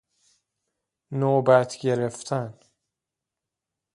نوبت گرفتن